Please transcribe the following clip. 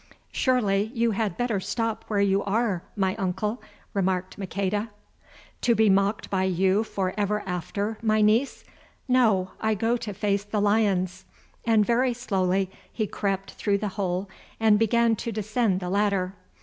"Surely you had better stop where you are, my uncle," remarked Maqueda. "To be mocked by you for ever after, my niece. No, I go to face the lions," and very slowly he crept through the hole and began to descend the ladder.